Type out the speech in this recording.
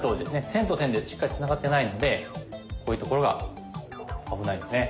線と線でしっかりつながってないのでこういうところが危ないですね。